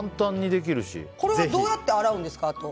これはどうやって洗うんですか。